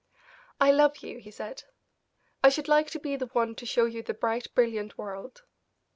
"I love you," he said. "I should like to be the one to show you the bright, brilliant world.